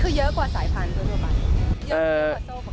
คือเยอะกว่าสายพันธุ์ทั่วบ้าง